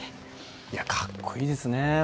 かっこいいですね。